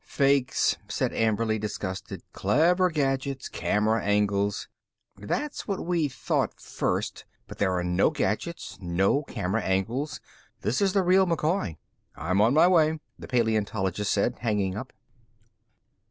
"Fakes," said Amberly, disgusted. "Clever gadgets. Camera angles." "That's what we thought first, but there are no gadgets, no camera angles. This is the real McCoy." "I'm on my way," the paleontologist said, hanging up.